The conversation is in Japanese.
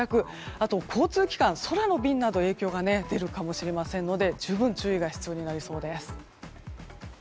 あとは交通機関、空の便などに影響が出るかもしれないので十分注意が必要になりそうです。